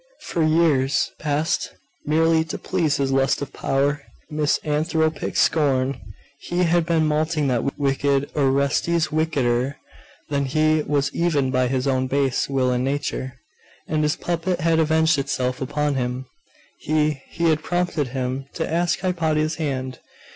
For years past, merely to please his lust of power, his misanthropic scorn, he had been malting that wicked Orestes wickeder than he was even by his own base will and nature; and his puppet had avenged itself upon him! He, he had prompted him to ask Hypatia's hand....